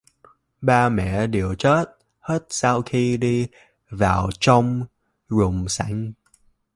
Ba mẹ đều chết hết sau khi đi vào trong rừng săn